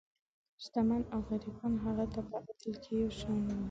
شتمن او غریبان هغه ته په عدل کې یو شان وو.